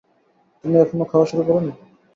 তুমি এখনও খাওয়া শুরু করোনি।